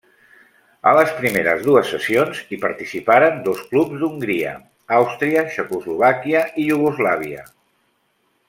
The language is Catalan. A les primeres dues sessions hi participaren dos clubs d'Hongria, Àustria, Txecoslovàquia i Iugoslàvia.